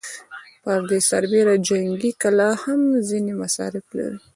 پر دې سربېره جنګي کلا هم ځينې مصارف لري.